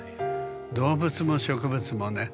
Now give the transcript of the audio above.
動物も植物もね